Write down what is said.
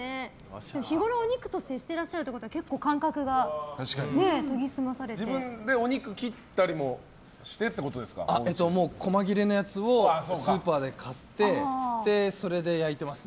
日ごろお肉と接してらっしゃるということは自分でお肉を切ったりも細切れのやつをスーパーで買ってそれで焼いてますね。